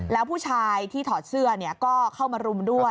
แล้วผู้ชายที่ถอดเสื้อก็เข้ามารุมด้วย